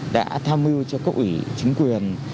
đã tham mưu cho cộng ủy chính quyền